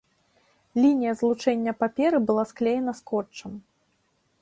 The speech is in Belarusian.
Лінія злучэння паперы была склеена скотчам.